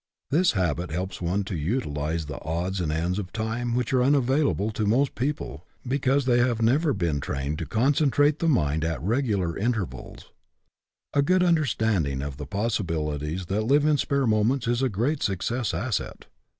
This habit helps one to utilize the odds and ends of time which are unavailable to most people because they have never been EDUCATION BY ABSORPTION 39 trained to concentrate the mind at regular intervals. A good understanding of the possibilities that live in spare moments is a great success asset.